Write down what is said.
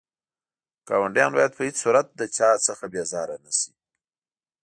ګاونډيان بايد په هيڅ صورت له چا څخه بيزاره نه شئ.